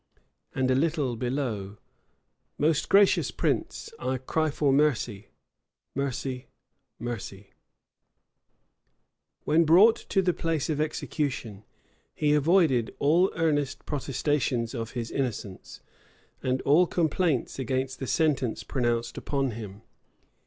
And a little below, "Most gracious prince, I cry for mercy, mercy, mercy."[] * Burnet, vol. i. p. 278. Burnet, vol. i. p. 281, 282. When brought to the place of execution, he avoided all earnest protestations of his innocence, and all complaints against the sentence pronounced upon him.